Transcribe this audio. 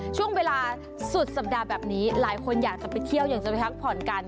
ช่วงเวลาสุดสัปดาห์แบบนี้หลายคนอยากจะไปเที่ยวอยากจะไปพักผ่อนกัน